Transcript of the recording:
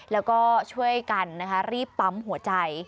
แล้วก็ช่วยกันนะคะรีบปั๊มหัวใจ